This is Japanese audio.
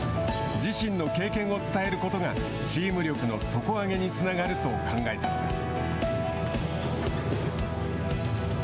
自身の経験を伝えることがチーム力の底上げにつながると考えたのです。